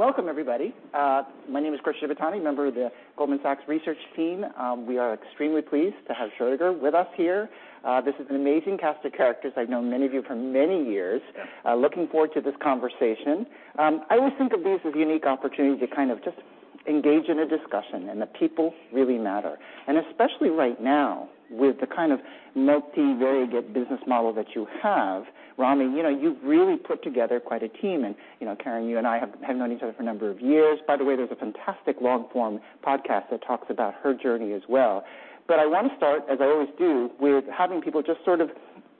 Welcome, everybody. My name is Chris Shibutani, member of the Goldman Sachs research team. We are extremely pleased to have Schrödinger with us here. This is an amazing cast of characters. I've known many of you for many years. Looking forward to this conversation. I always think of these as unique opportunities to kind of just engage in a discussion, and the people really matter. Especially right now, with the kind of multi-varied business model that you have, Ramy, you know, you've really put together quite a team, and, you know, Karen, you and I have known each other for a number of years. By the way, there's a fantastic long-form podcast that talks about her journey as well. I want to start, as I always do, with having people just sort of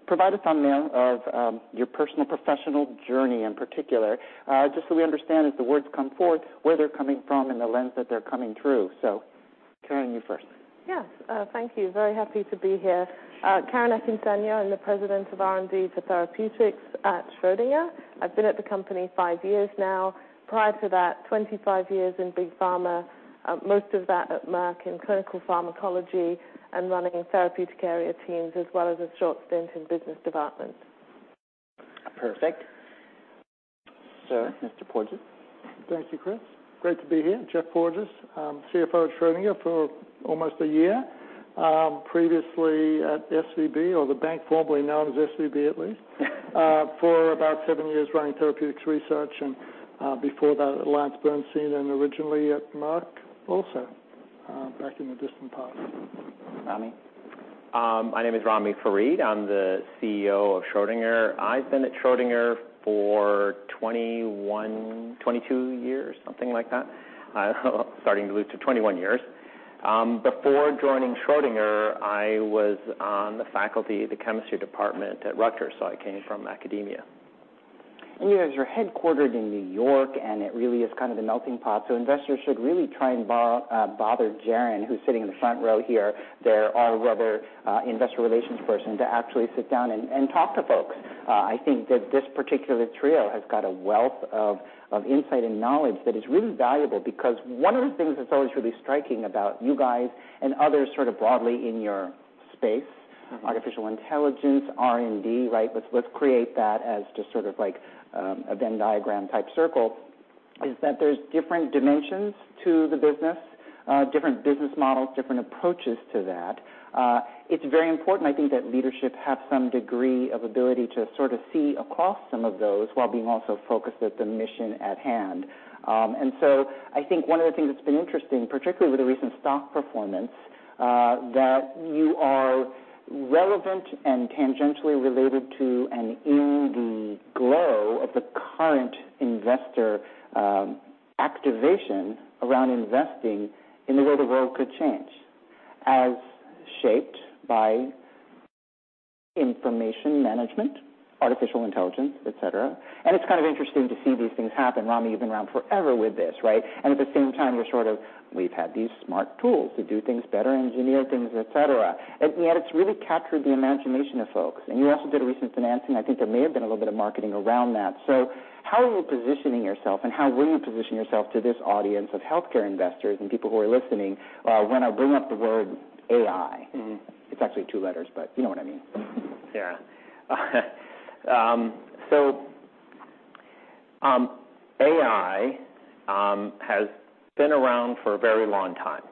provide a thumbnail of your personal professional journey in particular, just so we understand, as the words come forth, where they're coming from and the lens that they're coming through. Karen, you first. Yes, thank you. Very happy to be here. Karen Akinsanya, I'm the President of R&D for Therapeutics at Schrödinger. I've been at the company 5 years now. Prior to that, 25 years in big pharma, most of that at Merck in clinical pharmacology and running therapeutic area teams, as well as a short stint in business development. Perfect. Mr. Porges? Thank you, Chris. Great to be here. Jeff Porges, I'm CFO at Schrödinger for almost a year. Previously at SVB, or the bank formerly known as SVB, at least, for about 7 years, running therapeutics research, and before that at Sanford Bernstein and originally at Merck, also, back in the distant past. Ramy? My name is Ramy Farid. I'm the CEO of Schrödinger. I've been at Schrödinger for 21, 22 years, something like that. 21 years. Before joining Schrödinger, I was on the faculty of the chemistry department at Rutgers, I came from academia. You guys are headquartered in New York, and it really is kind of a melting pot, so investors should really try and bother Jaren, who's sitting in the front row here, their our rather, investor relations person, to actually sit down and talk to folks. I think that this particular trio has got a wealth of insight and knowledge that is really valuable, because one of the things that's always really striking about you guys and others sort of broadly in your space, artificial intelligence, R&D, right? Let's create that as just sort of like a Venn diagram type circle, is that there's different dimensions to the business, different business models, different approaches to that. It's very important, I think, that leadership have some degree of ability to sort of see across some of those, while being also focused at the mission at hand. I think one of the things that's been interesting, particularly with the recent stock performance, that you are relevant and tangentially related to and in the glow of the current investor, activation around investing in the way the world could change, as shaped by information management, artificial intelligence, et cetera. It's kind of interesting to see these things happen. Ramy, you've been around forever with this, right? At the same time, you're sort of, "We've had these smart tools to do things better, engineer things, et cetera." Yet it's really captured the imagination of folks. You also did a recent financing. I think there may have been a little bit of marketing around that. How are you positioning yourself, and how will you position yourself to this audience of healthcare investors and people who are listening, when I bring up the word AI? Mm-hmm. It's actually two letters, but you know what I mean. AI has been around for a very long time.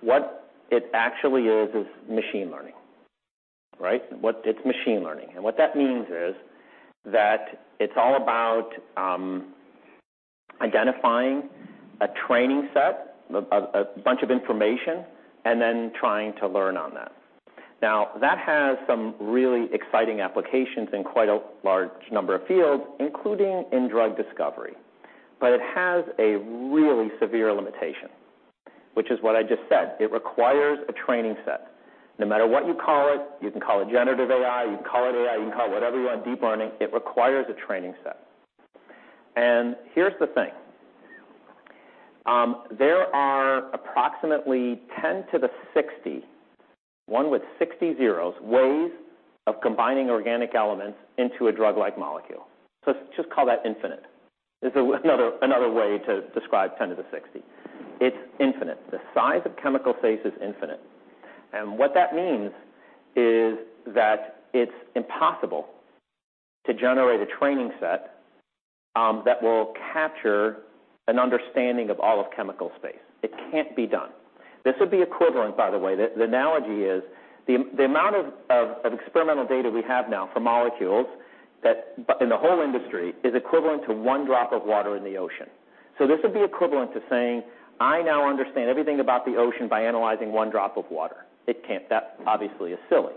What it actually is machine learning, right? It's machine learning. What that means is that it's all about identifying a training set, a bunch of information, and then trying to learn on that. Now, that has some really exciting applications in quite a large number of fields, including in drug discovery. It has a really severe limitation, which is what I just said. It requires a training set. No matter what you call it, you can call it generative AI, you can call it AI, you can call it whatever you want, deep learning, it requires a training set. Here's the thing, there are approximately 10 to the 60, 1 with 60 zeros, ways of combining organic elements into a drug-like molecule. Just call that infinite. It's another way to describe 10 to the 60. It's infinite. The size of chemical space is infinite. What that means is that it's impossible to generate a training set that will capture an understanding of all of chemical space. It can't be done. This would be equivalent, by the way, the analogy is, the amount of experimental data we have now for molecules, but in the whole industry, is equivalent to one drop of water in the ocean. This would be equivalent to saying, "I now understand everything about the ocean by analyzing one drop of water." It can't. That obviously is silly.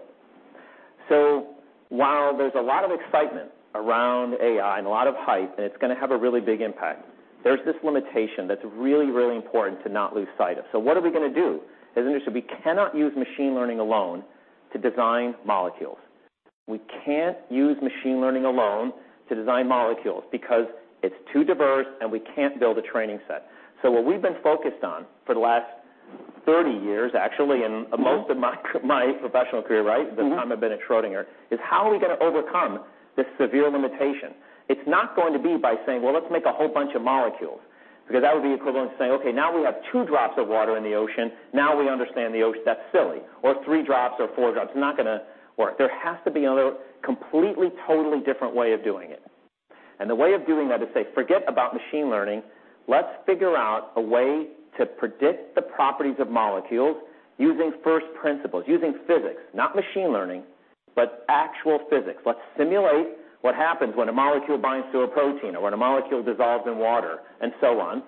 While there's a lot of excitement around AI and a lot of hype, and it's gonna have a really big impact, there's this limitation that's really, really important to not lose sight of. What are we gonna do? As an industry, we cannot use machine learning alone to design molecules. We can't use machine learning alone to design molecules, because it's too diverse, and we can't build a training set. What we've been focused on for the last 30 years, actually, and most of my professional career, right, the time I've been at Schrödinger, is how are we gonna overcome this severe limitation? It's not going to be by saying, well, let's make a whole bunch of molecules. Because that would be equivalent to saying, okay, now we have 2 drops of water in the ocean, now we understand the ocean. That's silly. 3 drops or 4 drops, it's not gonna work. There has to be another completely, totally different way of doing it. The way of doing that is say, forget about machine learning. Let's figure out a way to predict the properties of molecules using first principles, using physics, not machine learning, but actual physics. Let's simulate what happens when a molecule binds to a protein, or when a molecule dissolves in water, and so on.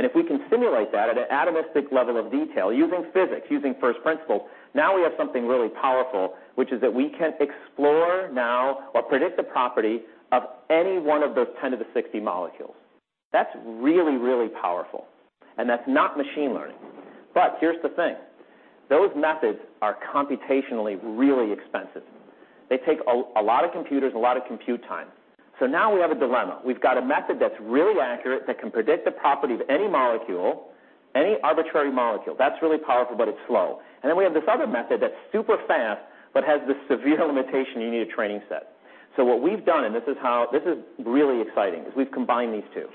If we can simulate that at an atomistic level of detail, using physics, using first principles, now we have something really powerful, which is that we can explore now or predict the property of any one of those 10 to the 60 molecules. That's really, really powerful, and that's not machine learning. Here's the thing, those methods are computationally really expensive. They take a lot of computers, a lot of compute time. Now we have a dilemma. We've got a method that's really accurate, that can predict the property of any molecule, any arbitrary molecule. That's really powerful, but it's slow. Then we have this other method that's super fast, but has this severe limitation, you need a training set. What we've done, and this is how. This is really exciting, is we've combined these two.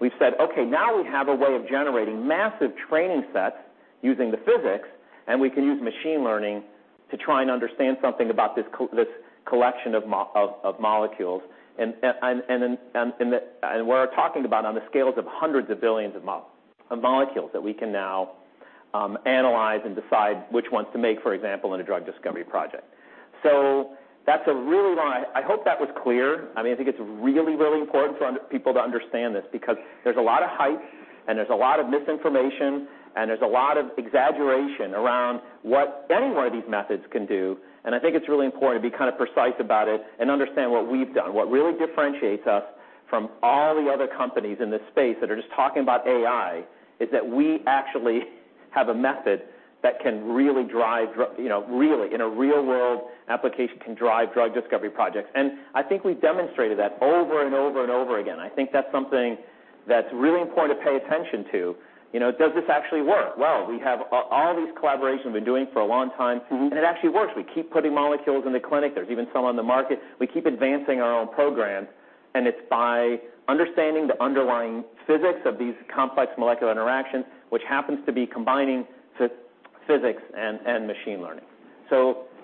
We've said, okay, now we have a way of generating massive training sets using the physics, and we can use machine learning to try and understand something about this collection of molecules. We're talking about on the scales of hundreds of billions of molecules that we can now analyze and decide which ones to make, for example, in a drug discovery project. That's a really long. I hope that was clear. I mean, I think it's really, really important for people to understand this, because there's a lot of hype, and there's a lot of misinformation, and there's a lot of exaggeration around what any one of these methods can do. I think it's really important to be kind of precise about it and understand what we've done. What really differentiates us from all the other companies in this space that are just talking about AI, is that we actually have a method that can really drive you know, really, in a real world application, can drive drug discovery projects. I think we've demonstrated that over and over again. I think that's something that's really important to pay attention to. You know, does this actually work? Well, we have all these collaborations we've been doing for a long time- Mm-hmm. It actually works. We keep putting molecules in the clinic. There's even some on the market. We keep advancing our own programs, and it's by understanding the underlying physics of these complex molecular interactions, which happens to be combining physics and machine learning.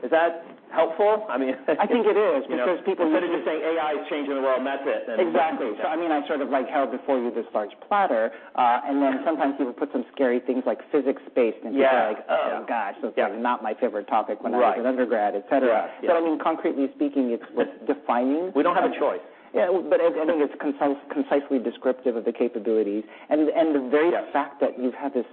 Is that helpful? I mean. I think it is, because. Instead of just saying, AI is changing the world, and that's it. Exactly. I mean, I've sort of, like, held before you this large platter, and then sometimes people put some scary things like physics-based- Yeah. just be like, "Oh, gosh- Yeah. that's not my favorite topic when I was in undergrad," et cetera. Right. Yeah. I mean, concretely speaking, it's, what, defining? We don't have a choice. Yeah, I think it's concisely descriptive of the capabilities. The very- Yeah... fact that you've had this,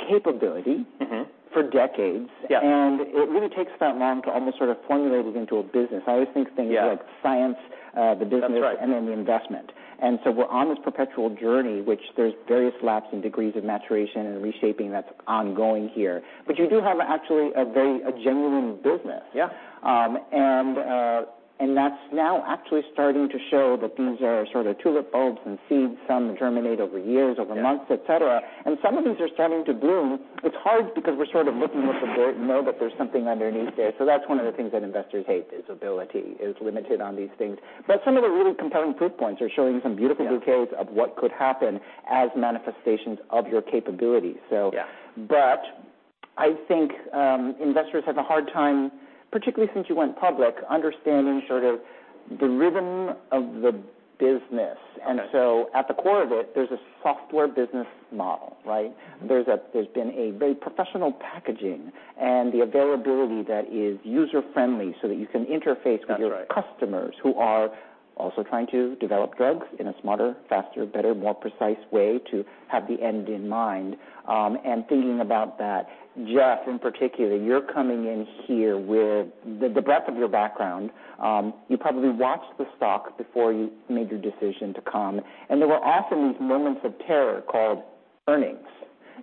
capability- Mm-hmm... for decades. Yeah. It really takes that long to almost sort of formulate it into a business. Yeah. I always think things like science. That's right.... the investment. We're on this perpetual journey, which there's various laps and degrees of maturation and reshaping that's ongoing here. You do have actually a very, a genuine business. Yeah. That's now actually starting to show that these are sort of tulip bulbs and seeds. Some germinate over years, over months. Yeah... et cetera. Some of these are starting to bloom. It's hard because we're sort of looking with the dirt and know that there's something underneath there. That's one of the things that investors hate, is ability is limited on these things. Some of the really compelling proof points are showing some beautiful bouquets. Yeah... of what could happen as manifestations of your capabilities, so. Yeah. I think investors have a hard time, particularly since you went public, understanding sort of the rhythm of the business. Right. At the core of it, there's a software business model, right? Mm-hmm. There's been a very professional packaging and the availability that is user-friendly, so that you can interface. That's right.... with your customers, who are also trying to develop drugs in a smarter, faster, better, more precise way to have the end in mind. Thinking about that, Geoff, in particular, you're coming in here with the breadth of your background. You probably watched the stock before you made your decision to come, and there were often these moments of terror called earnings.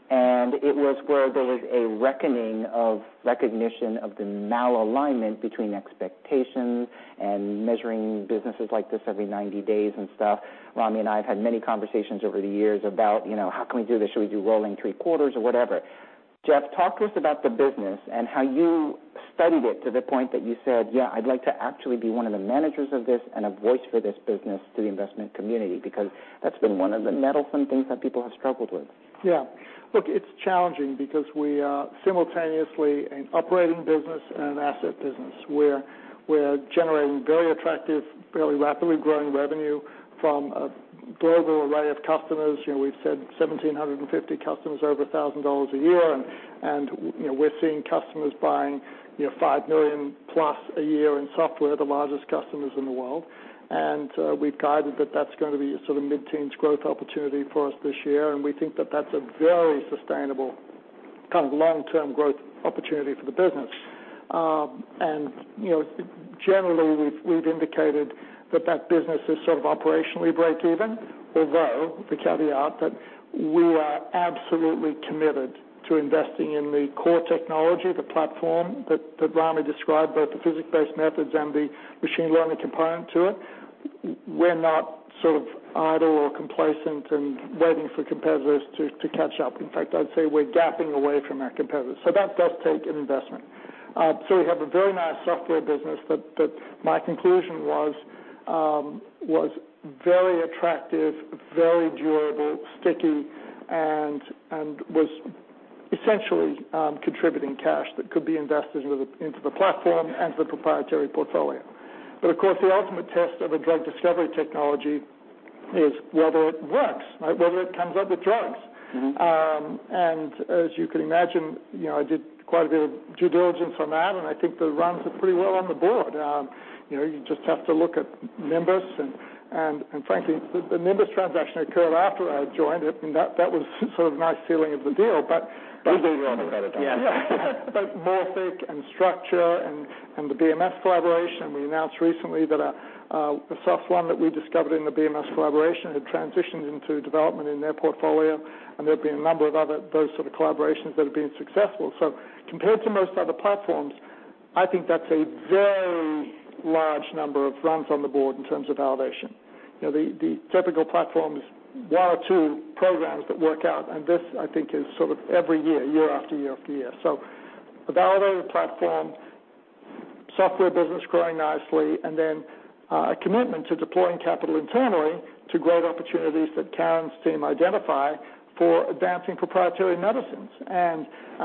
It was where there was a reckoning of recognition of the malalignment between expectations and measuring businesses like this every 90 days and stuff. Rami and I have had many conversations over the years about, you know, how can we do this? Should we do rolling 3 quarters or whatever? Geoff, talk to us about the business and how you studied it to the point that you said: Yeah, I'd like to actually be one of the managers of this and a voice for this business to the investment community, because that's been one of the meddlesome things that people have struggled with. Yeah. Look, it's challenging because we are simultaneously an operating business and an asset business, where we're generating very attractive, fairly rapidly growing revenue from a global array of customers. You know, we've said 1,750 customers over $1,000 a year, and, you know, we're seeing customers buying, you know, $5 million+ a year in software, the largest customers in the world. We've guided that that's going to be a sort of mid-teens growth opportunity for us this year, and we think that that's a very sustainable kind of long-term growth opportunity for the business. You know, generally, we've indicated that that business is sort of operationally break-even. Although the caveat, that we are absolutely committed to investing in the core technology, the platform that Rami described, both the physics-based methods and the machine learning component to it. We're not sort of idle or complacent and waiting for competitors to catch up. In fact, I'd say we're gapping away from our competitors. That does take an investment. We have a very nice software business that my conclusion was very attractive, very durable, sticky, and was essentially contributing cash that could be invested into the platform and the proprietary portfolio. Of course, the ultimate test of a drug discovery technology is whether it works, right? Whether it comes up with drugs. Mm-hmm. As you can imagine, you know, I did quite a bit of due diligence on that, and I think the runs are pretty well on the board. You know, you just have to look at Nimbus, and frankly, the Nimbus transaction occurred after I joined, and that was sort of nice sealing of the deal. We'll do all the better then. Yeah. Morphic Therapeutic and Structure Therapeutics and the BMS collaboration, we announced recently that a SOS1 that we discovered in the BMS collaboration had transitioned into development in their portfolio, and there have been a number of other, those sort of collaborations that have been successful. Compared to most other platforms, I think that's a very large number of runs on the board in terms of validation. You know, the typical platforms, one or two programs that work out, and this, I think, is sort of every year after year after year. A validated platform, software business growing nicely, and then a commitment to deploying capital internally to great opportunities that Karen's team identify for advancing proprietary medicines.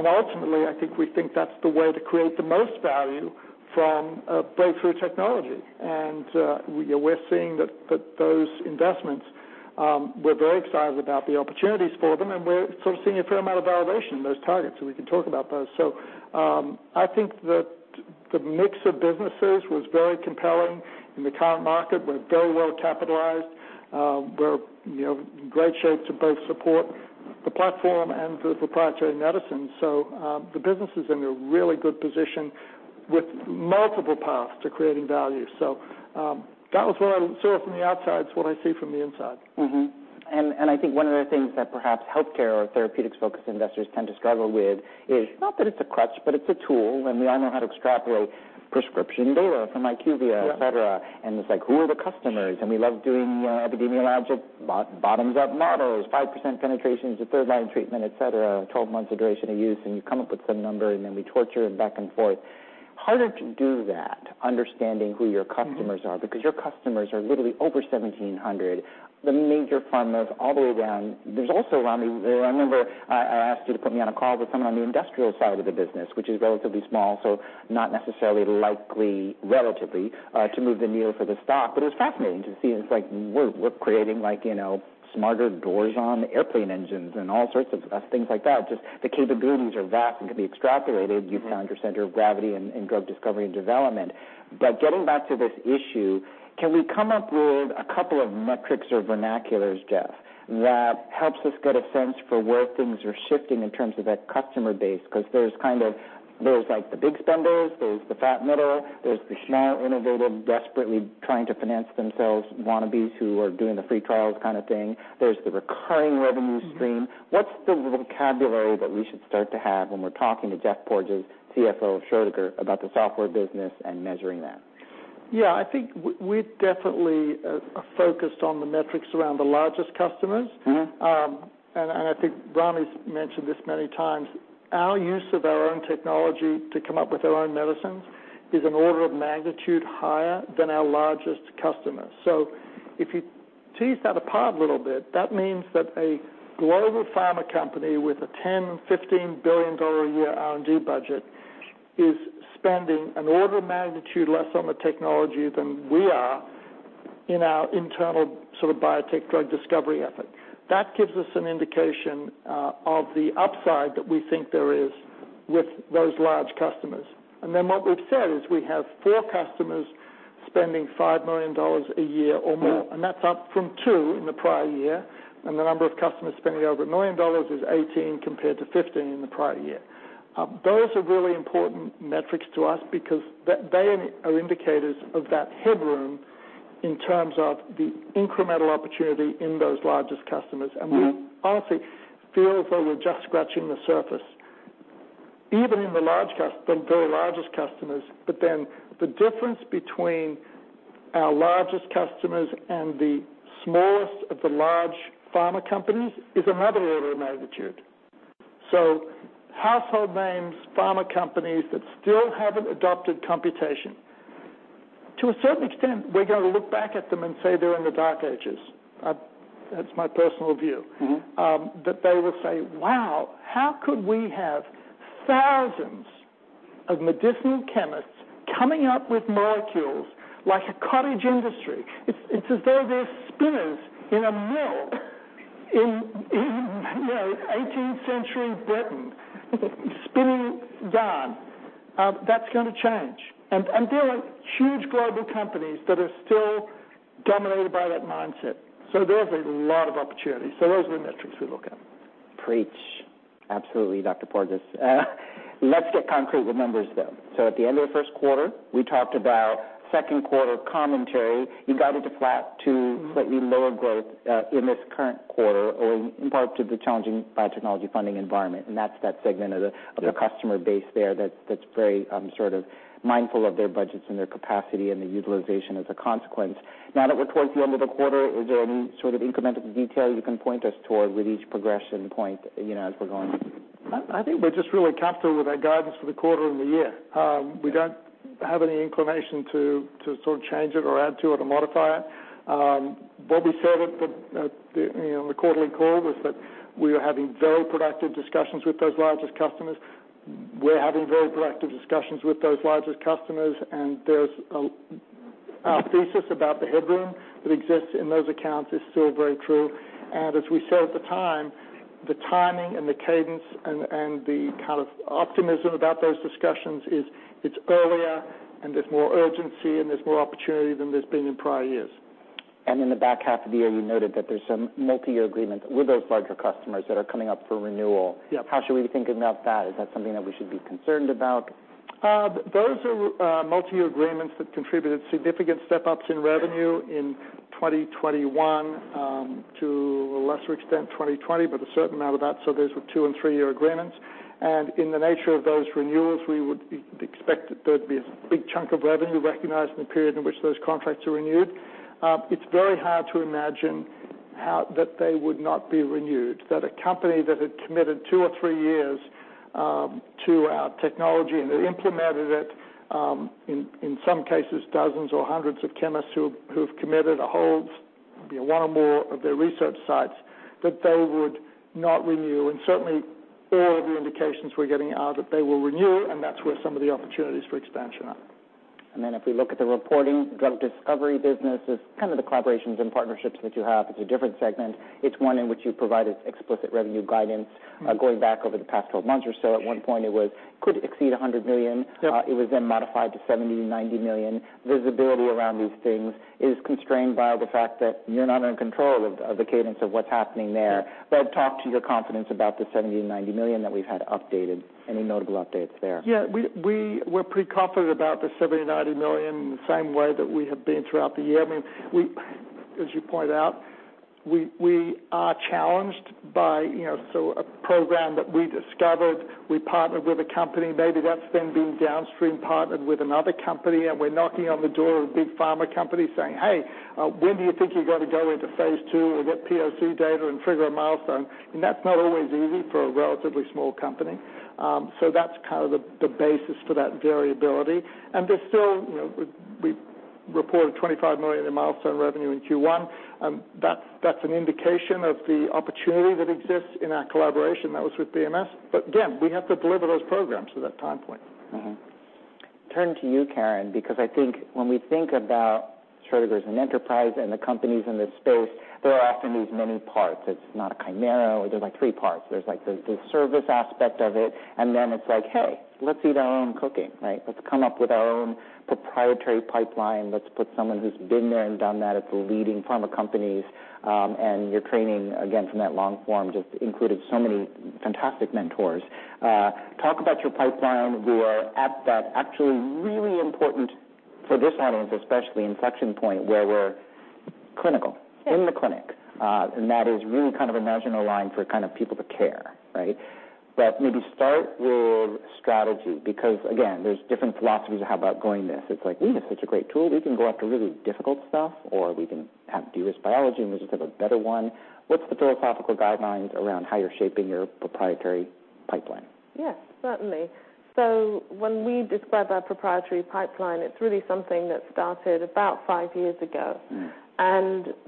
Ultimately, I think we think that's the way to create the most value from breakthrough technology. We're seeing that those investments, we're very excited about the opportunities for them, and we're sort of seeing a fair amount of validation in those targets, so we can talk about those. I think that the mix of businesses was very compelling in the current market. We're very well capitalized. We're, you know, in great shape to both support the platform and the proprietary medicine. The business is in a really good position with multiple paths to creating value. That was what I saw from the outside. It's what I see from the inside. Mm-hmm. I think one of the things that perhaps healthcare or therapeutics-focused investors tend to struggle with is, not that it's a crutch, but it's a tool, and we all know how to extrapolate prescription data from IQVIA... Yeah... et cetera. It's like, who are the customers? We love doing epidemiologic bottoms-up models, 5% penetration to third line treatment, et cetera, 12 months duration of use. You come up with some number. Then we torture them back and forth. Harder to do that, understanding who your customers are, because your customers are literally over 1,700. The major pharmas all the way down. There's also, Ramy, I remember I asked you to put me on a call with someone on the industrial side of the business, which is relatively small, so not necessarily likely, relatively to move the needle for the stock. It's fascinating to see. It's like we're creating like, you know, smarter doors on airplane engines and all sorts of things like that. Just the capabilities are vast and can be extrapolated. Mm-hmm. You've found your center of gravity in drug discovery and development. Getting back to this issue, can we come up with a couple of metrics or vernaculars, Jeff, that helps us get a sense for where things are shifting in terms of that customer base? Because there's kind of, like, the big spenders, there's the fat middle, there's the small, innovative, desperately trying to finance themselves, wannabes who are doing the free trials kind of thing. There's the recurring revenue stream. Mm-hmm. What's the vocabulary that we should start to have when we're talking to Geoffrey Porges, CFO of Schrödinger, about the software business and measuring that? Yeah, I think we definitely are focused on the metrics around the largest customers. Mm-hmm. I think Ramy's mentioned this many times. Our use of our own technology to come up with our own medicines is an order of magnitude higher than our largest customers. If you tease that apart a little bit, that means that a global pharma company with a $10 billion-$15 billion a year R&D budget is spending an order of magnitude less on the technology than we are in our internal sort of biotech drug discovery effort. That gives us an indication of the upside that we think there is with those large customers. What we've said is we have four customers spending $5 million a year or more- Yeah... and that's up from 2 in the prior year, and the number of customers spending over $1 million is 18, compared to 15 in the prior year. Those are really important metrics to us because they are indicators of that headroom in terms of the incremental opportunity in those largest customers. Mm-hmm. We honestly feel as though we're just scratching the surface, even in the very largest customers. The difference between our largest customers and the smallest of the large pharma companies is another order of magnitude. Household names, pharma companies that still haven't adopted computation, to a certain extent, we're going to look back at them and say they're in the dark ages. That's my personal view. Mm-hmm. That they will say, "Wow, how could we have thousands of medicinal chemists coming up with molecules like a cottage industry? It's as though they're spinners in a mill in, you know, eighteenth century Britain, spinning yarn." That's going to change. There are huge global companies that are still dominated by that mindset. There's a lot of opportunity. Those are the metrics we look at. Preach. Absolutely, Dr. Porges. Let's get concrete with numbers, though. At the end of the first quarter, we talked about second quarter commentary. You guided to flat to- Mm-hmm... slightly lower growth, in this current quarter, or in part to the challenging biotechnology funding environment, and that segment of. Yeah... of the customer base there, that's very sort of mindful of their budgets and their capacity and the utilization as a consequence. Now that we're towards the end of the quarter, is there any sort of incremental detail you can point us toward with each progression point, you know, as we're going? I think we're just really comfortable with our guidance for the quarter and the year. We don't have any inclination to sort of change it, or add to it, or modify it. What we said at the, you know, the quarterly call, was that we were having very productive discussions with those largest customers. We're having very productive discussions with those largest customers, and there's our thesis about the headroom that exists in those accounts is still very true. As we said at the time, the timing and the cadence and the kind of optimism about those discussions is, it's earlier, and there's more urgency, and there's more opportunity than there's been in prior years. In the back half of the year, you noted that there's some multi-year agreements with those larger customers that are coming up for renewal. Yep. How should we be thinking about that? Is that something that we should be concerned about? Those are multi-year agreements that contributed significant step-ups in revenue in 2021, to a lesser extent 2020, but a certain amount of that. Those were two and three-year agreements, and in the nature of those renewals, we would expect that there'd be a big chunk of revenue recognized in the period in which those contracts are renewed. It's very hard to imagine how that they would not be renewed. That a company that had committed two or three years, to our technology, and they implemented it, in some cases, dozens or hundreds of chemists who've committed a hold, you know, one or more of their research sites, that they would not renew. Certainly all of the indications we're getting are that they will renew, and that's where some of the opportunities for expansion are. If we look at the reporting, drug discovery business is kind of the collaborations and partnerships that you have. It's a different segment. It's one in which you've provided explicit revenue guidance, Mm-hmm. going back over the past 12 months or so. At one point it was, could exceed $100 million. Yep. It was then modified to $70 million-$90 million. Visibility around these things is constrained by the fact that you're not in control of the cadence of what's happening there. Yep. Talk to your confidence about the $70 million-$90 million that we've had updated. Any notable updates there? Yeah. We're pretty confident about the $70 million-$90 million in the same way that we have been throughout the year. I mean, we, as you pointed out, we are challenged by... You know, a program that we discovered, we partnered with a company, maybe that's then being downstream partnered with another company, and we're knocking on the door of a big pharma company saying, "Hey, when do you think you're gonna go into phase 2, or get POC data and trigger a milestone?" That's not always easy for a relatively small company. That's kind of the basis for that variability. There's still, you know, we reported $25 million in milestone revenue in Q1, that's an indication of the opportunity that exists in our collaboration that was with BMS. Again, we have to deliver those programs at that time point. Turning to you, Karen, because I think when we think about Schrödinger's as an enterprise and the companies in this space, there are often these many parts. It's not a chimera. There's, like, three parts. There's, like, the service aspect of it, and then it's like, "Hey, let's eat our own cooking," right? "Let's come up with our own proprietary pipeline. Let's put someone who's been there and done that at the leading pharma companies." Your training, again, from that long form, just included so many fantastic mentors. Talk about your pipeline. We are at that actually really important, for this audience especially, inflection point, where we're. Yes... in the clinic. That is really kind of imaginal line for kind of people to care, right? Maybe start with strategy, because again, there's different philosophies about going this. It's like, "We have such a great tool, we can go after really difficult stuff," or, "We can have dearest biology, and we just have a better one." What's the philosophical guidelines around how you're shaping your proprietary pipeline? Yes, certainly. When we describe our proprietary pipeline, it's really something that started about 5 years ago. Mm.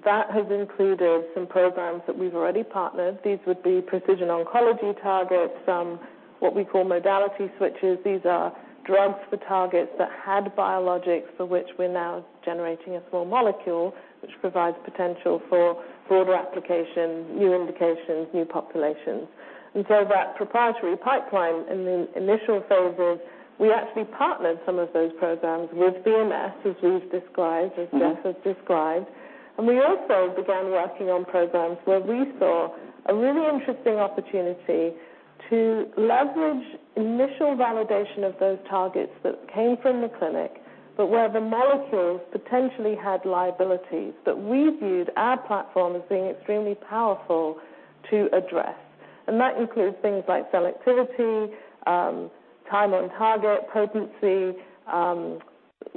That has included some programs that we've already partnered. These would be precision oncology targets, some what we call modality switches. These are drugs for targets that had biologics, for which we're now generating a small molecule, which provides potential for broader application, new indications, new populations. That proprietary pipeline in the initial phases, we actually partnered some of those programs with BMS, as we've described. Mm. as Jeff has described. We also began working on programs where we saw a really interesting opportunity to leverage initial validation of those targets that came from the clinic, but where the molecules potentially had liabilities, that we viewed our platform as being extremely powerful to address. That includes things like selectivity, time and target, potency,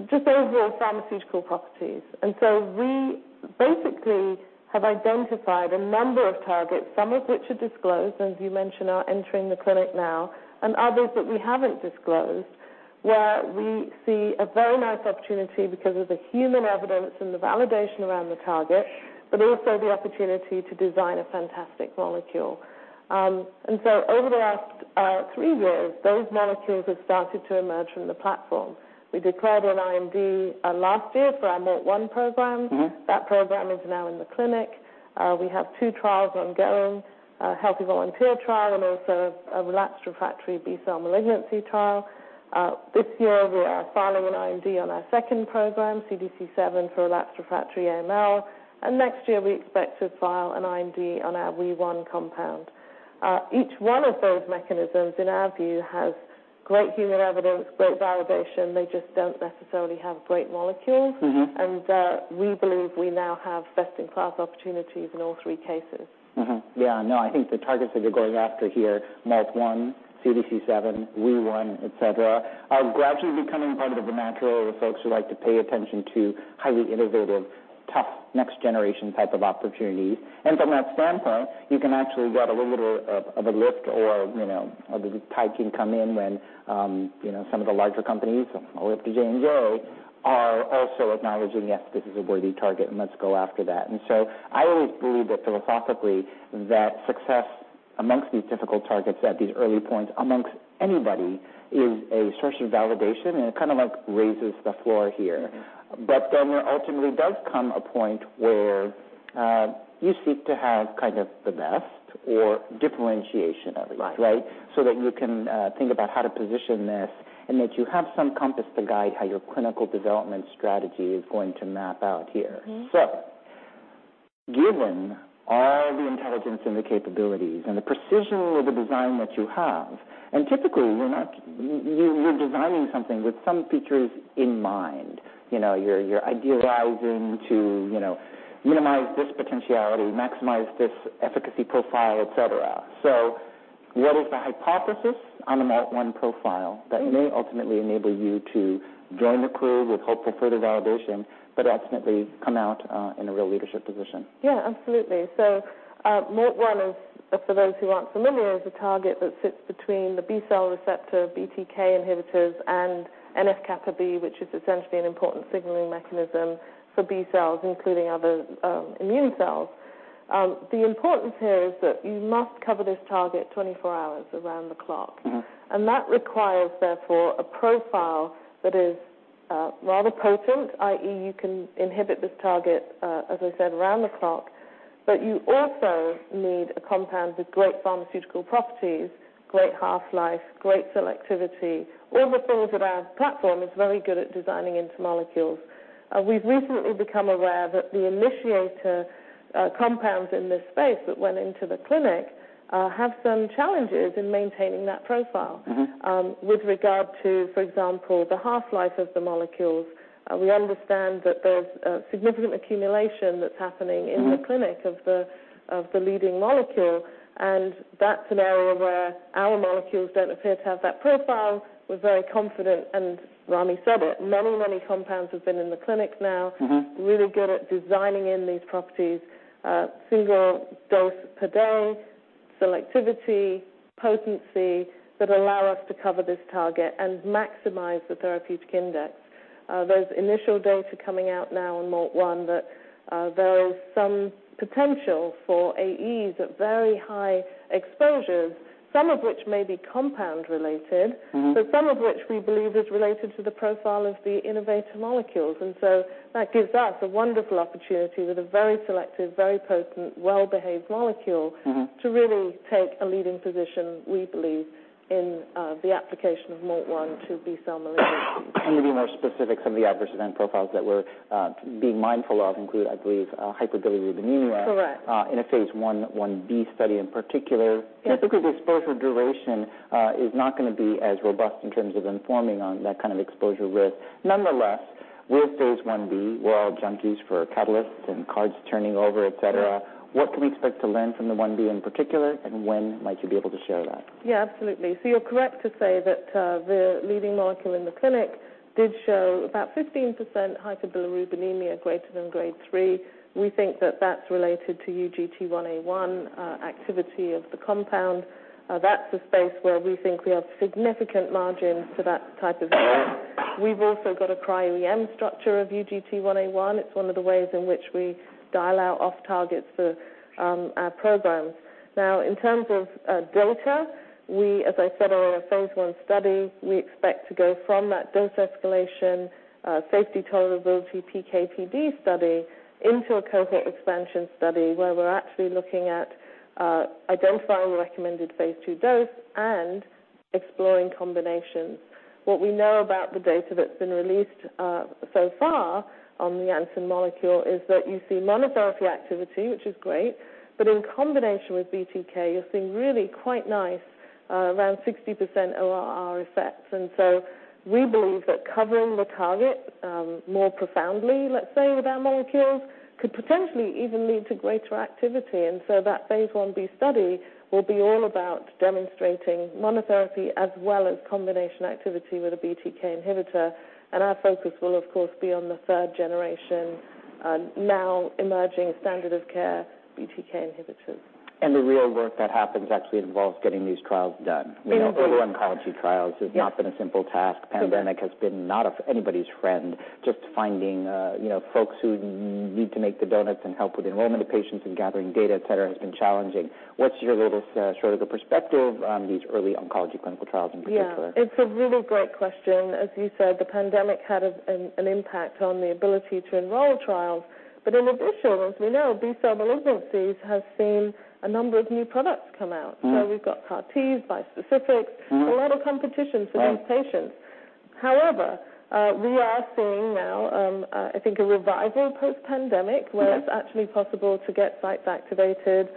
just overall pharmaceutical properties. We basically have identified a number of targets, some of which are disclosed, and as you mentioned, are entering the clinic now, and others that we haven't disclosed, where we see a very nice opportunity because of the human evidence and the validation around the target, but also the opportunity to design a fantastic molecule. Over the last 3 years, those molecules have started to emerge from the platform. We declared an IND last year for our MALT1 program. Mm-hmm. That program is now in the clinic. We have two trials ongoing, a healthy volunteer trial, and also a relapsed refractory B-cell malignancy trial. This year we are filing an IND on our second program, CDC7, for relapsed refractory AML, and next year we expect to file an IND on our WEE1 compound. Each one of those mechanisms, in our view, has great human evidence, great validation, they just don't necessarily have great molecules. Mm-hmm. We believe we now have best-in-class opportunities in all three cases. Mm-hmm. Yeah, no, I think the targets that you're going after here, MALT1, CDC7, WEE1, et cetera, are gradually becoming part of the natural folks who like to pay attention to highly innovative, tough, next generation type of opportunities. From that standpoint, you can actually get a little bit of a lift or, you know, the tide can come in when, you know, some of the larger companies, all up to J&J, are also acknowledging, yes, this is a worthy target, and let's go after that. I always believe that philosophically, that success amongst these difficult targets at these early points, amongst anybody, is a source of validation, and it kind of, like, raises the floor here. There ultimately does come a point where, you seek to have kind of the best or differentiation of it. Right. Right? That you can think about how to position this and that you have some compass to guide how your clinical development strategy is going to map out here. Mm-hmm. Given all the intelligence and the capabilities and the precision of the design that you have, and typically you're designing something with some features in mind. You know, you're idealizing to, you know, minimize this potentiality, maximize this efficacy profile, et cetera. What is the hypothesis on the MALT1 profile that may ultimately enable you to join the crew with hopeful further validation, but ultimately come out in a real leadership position? Yeah, absolutely. MALT1 is, for those who aren't familiar, is a target that sits between the B-cell receptor, BTK inhibitors, and NF-κB, which is essentially an important signaling mechanism for B cells, including other immune cells. The importance here is that you must cover this target 24 hours around the clock. Mm-hmm. That requires, therefore, a profile that is rather potent, i.e., you can inhibit this target, as I said, around the clock, but you also need a compound with great pharmaceutical properties, great half-life, great selectivity, all the things that our platform is very good at designing into molecules. We've recently become aware that the initiator compounds in this space that went into the clinic have some challenges in maintaining that profile. Mm-hmm. With regard to, for example, the half-life of the molecules, we understand that there's a significant accumulation that's happening. Mm-hmm. -in the clinic of the leading molecule. That's an area where our molecules don't appear to have that profile. We're very confident, Ramy said it, many compounds have been in the clinic now. Mm-hmm. Really good at designing in these properties, single dose per day, selectivity, potency, that allow us to cover this target and maximize the therapeutic index. Those initial data coming out now on MALT1, that, there is some potential for AEs at very high exposures, some of which may be compound-related. Mm-hmm. Some of which we believe is related to the profile of the innovator molecules. That gives us a wonderful opportunity with a very selective, very potent, well-behaved molecule. Mm-hmm. to really take a leading position, we believe, in the application of MALT1 to B-cell malignancies. Can you be more specific? Some of the adverse event profiles that we're being mindful of include, I believe, hyperbilirubinemia... Correct. in a phase I, IB study in particular. Yes. I think the exposure duration is not gonna be as robust in terms of informing on that kind of exposure risk. Nonetheless, with phase IB, we're all junkies for catalysts and cards turning over, et cetera. Yes. What can we expect to learn from the IB in particular? When might you be able to share that? Yeah, absolutely. You're correct to say that the leading molecule in the clinic did show about 15% hyperbilirubinemia greater than grade 3. We think that that's related to UGT1A1 activity of the compound. That's a space where we think we have significant margins to that type of effect. We've also got a cryo-EM structure of UGT1A1. It's one of the ways in which we dial out off targets for our programs. In terms of data, we, as I said, are in a phase 1 study. We expect to go from that dose escalation, safety, tolerability, PK/PD study into a cohort expansion study, where we're actually looking at identifying the recommended phase 2 dose and exploring combinations. What we know about the data that's been released so far on the Janssen molecule is that you see monotherapy activity, which is great. In combination with BTK, you're seeing really quite nice, around 60% ORR effects. We believe that covering the target, more profoundly, let's say, with our molecules, could potentially even lead to greater activity. That phase 1B study will be all about demonstrating monotherapy as well as combination activity with a BTK inhibitor. Our focus will, of course, be on the third generation, now emerging standard of care, BTK inhibitors. The real work that happens actually involves getting these trials done. Indeed. We know early oncology trials. Yes. has not been a simple task. Indeed. Pandemic has been not of anybody's friend. Just finding, you know, folks who need to make the donuts and help with enrollment of patients and gathering data, et cetera, has been challenging. What's your latest, sort of the perspective on these early oncology clinical trials in particular? Yeah, it's a really great question. As you said, the pandemic had an impact on the ability to enroll trials. In addition, as we know, B-cell malignancies have seen a number of new products come out. Mm-hmm. we've got CAR Ts, bispecifics. Mm-hmm. A lot of competition for these patients. Right. We are seeing now, I think a revival post-pandemic. Okay. where it's actually possible to get sites activated.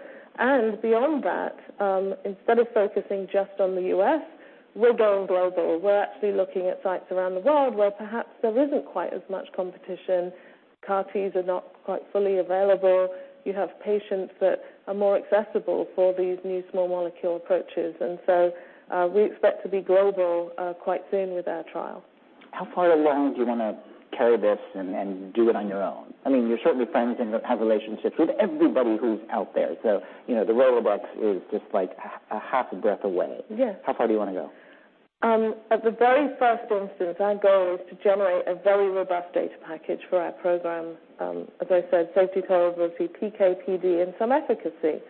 Beyond that, instead of focusing just on the U.S. We're going global. We're actually looking at sites around the world where perhaps there isn't quite as much competition. CAR-Ts are not quite fully available. You have patients that are more accessible for these new small molecule approaches. So, we expect to be global, quite soon with our trial. How far along do you want to carry this and do it on your own? I mean, you're certainly friends and have relationships with everybody who's out there. you know, the Relay is just like a half a breath away. Yes. How far do you want to go? At the very first instance, our goal is to generate a very robust data package for our program. As I said, safety, tolerability, PK/PD, and some efficacy.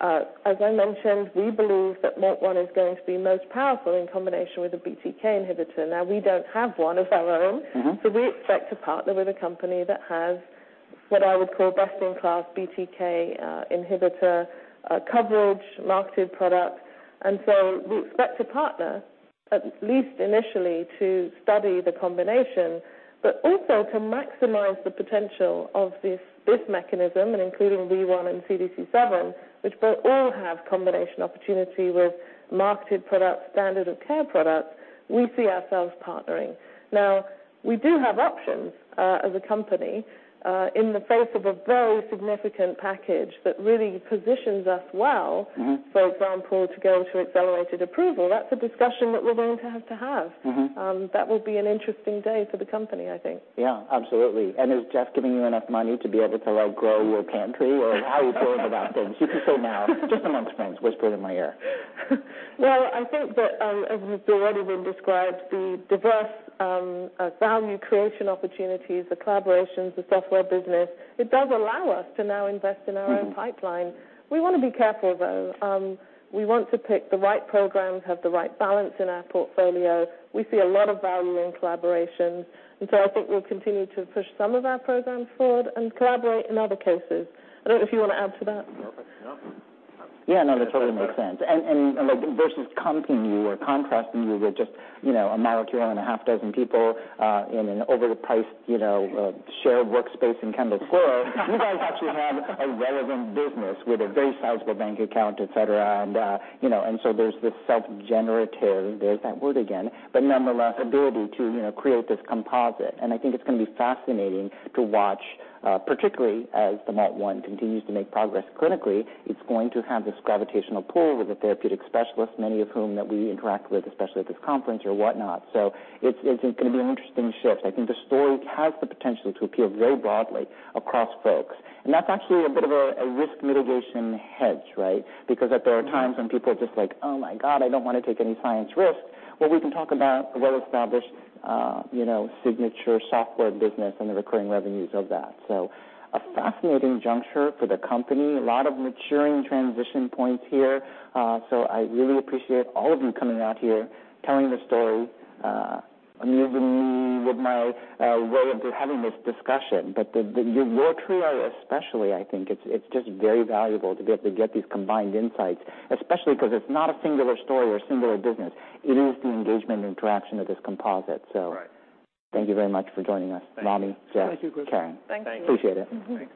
As I mentioned, we believe that MALT1 is going to be most powerful in combination with a BTK inhibitor. We don't have one of our own- Mm-hmm. We expect to partner with a company that has what I would call best-in-class BTK inhibitor coverage, marketed product. We expect to partner, at least initially, to study the combination, but also to maximize the potential of this mechanism, and including Wee1 and CDC7, which will all have combination opportunity with marketed products, standard of care products, we see ourselves partnering. We do have options as a company in the face of a very significant package that really positions us well. Mm-hmm. for example, to go to accelerated approval. That's a discussion that we're going to have to have. Mm-hmm. That will be an interesting day for the company, I think. Yeah, absolutely. Is Jeff giving you enough money to be able to, like, grow your pantry, or how are you feeling about things? You can say now, just amongst friends, whisper it in my ear. Well, I think that, as has already been described, the diverse, value creation opportunities, the collaborations, the software business, it does allow us to now invest in our own pipeline. We want to be careful, though. We want to pick the right programs, have the right balance in our portfolio. We see a lot of value in collaborations. I think we'll continue to push some of our programs forward and collaborate in other cases. I don't know if you want to add to that? No. No. Yeah, no, that totally makes sense. Like versus comping you or contrasting you with just, you know, a molecule and a half dozen people in an overpriced, you know, shared workspace in Kendall Square. You guys actually have a relevant business with a very sizable bank account, et cetera. There's this self-generative, there's that word again, but nonetheless, ability to, you know, create this composite. I think it's going to be fascinating to watch, particularly as the MET-1 continues to make progress clinically, it's going to have this gravitational pull with the therapeutic specialists, many of whom that we interact with, especially at this conference or whatnot. It's, it's going to be an interesting shift. I think the story has the potential to appeal very broadly across folks. That's actually a bit of a risk mitigation hedge, right? Because there are times when people are just like, "Oh, my God, I don't want to take any science risk." Well, we can talk about a well-established, you know, signature software business and the recurring revenues of that. A fascinating juncture for the company. A lot of maturing transition points here, I really appreciate all of you coming out here, telling the story, amusing me with my way of having this discussion. The your trio, especially, I think, it's just very valuable to be able to get these combined insights, especially because it's not a singular story or a singular business. It is the engagement and interaction of this composite. Right. Thank you very much for joining us, Ramy, Goeff. Thank you. Karen. Thank you. Appreciate it. Mm-hmm. Thanks.